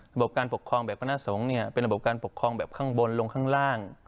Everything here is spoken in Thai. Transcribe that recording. ระบบการปกครองแบบพนักสงฆ์เนี่ยเป็นระบบการปกครองแบบข้างบนลงข้างล่าง